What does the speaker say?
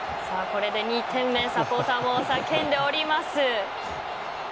これで２点目サポーターも叫んでおります。